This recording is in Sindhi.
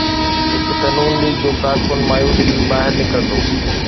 هڪ ته نون ليگ جو ڪارڪن مايوس ٿي ٻاهر نڪرندو.